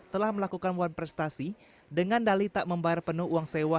telah melakukan wan prestasi dengan dali tak membayar penuh uang sewa